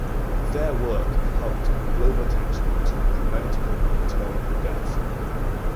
Their work helped give global attention to preventable maternal death.